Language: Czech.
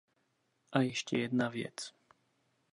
A ještě jedna věc.